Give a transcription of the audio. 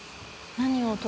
何を？